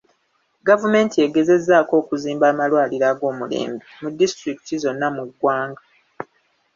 Gavumenti egezezzaako okuzimba amalwaliro ag'omulembe mu disitulikiti zonna mu ggwanga.